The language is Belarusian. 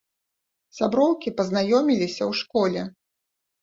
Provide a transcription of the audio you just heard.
Сяброўкі пазнаёміліся ў школе.